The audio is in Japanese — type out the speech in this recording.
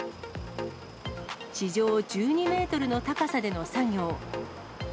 地上１２メートルの高さでの作業。